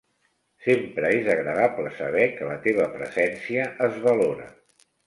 Sempre és agradable saber que la teva presència es valora.